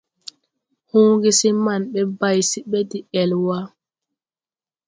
Hõõgesee man ɓe bay se ɓe de ɛl wa so.